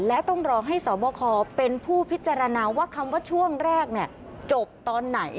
และต้องรอให้สวบคเป็นผู้พิจารณาว่าคำว่าช่วงแรกจบตอนไหน